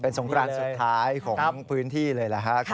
สงครานสุดท้ายของพื้นที่เลยแหละครับ